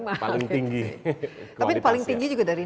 tapi paling tinggi juga dari nilai sejarahnya